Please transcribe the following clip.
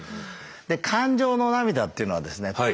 で感情の涙っていうのはですね